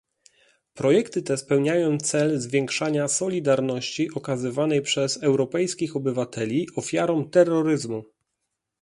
Projekty te spełniają cel zwiększania solidarności okazywanej przez europejskich obywateli ofiarom terroryzmu